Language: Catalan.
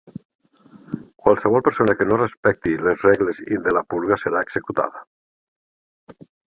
Qualsevol persona que no respecti les regles de la purga serà executada.